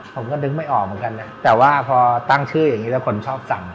ผมก็นึกไม่ออกเหมือนกันนะแต่ว่าพอตั้งชื่ออย่างนี้แล้วคนชอบสั่ง